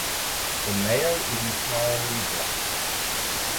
The male is entirely black.